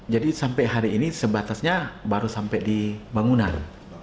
jadi sampai hari ini sebatasnya baru sampai di bangunan